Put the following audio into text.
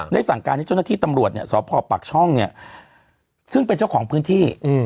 สั่งการให้เจ้าหน้าที่ตำรวจเนี่ยสพปากช่องเนี่ยซึ่งเป็นเจ้าของพื้นที่